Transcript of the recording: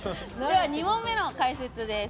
２問目の解説です。